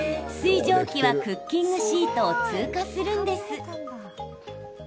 水蒸気はクッキングシートを通過するんです。